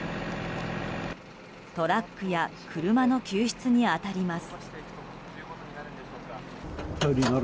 トラックや車の救出に当たります。